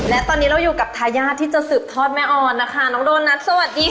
และตอนนี้เราอยู่กับทายาทที่จะสืบทอดแม่ออนนะคะน้องโดนัทสวัสดีค่ะ